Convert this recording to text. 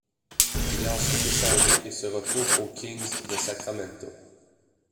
Il est ensuite échangé et se retrouve aux Kings de Sacramento.